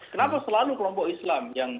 kenapa selalu kelompok islam